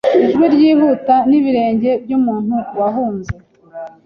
Ijwi ryihuta nibirenge byumuntu wahunze